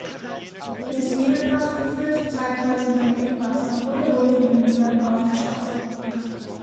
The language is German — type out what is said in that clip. Der Seemenbach führte zeitweise nur wenig Wasser oder wurde von den Müllern aufgestaut.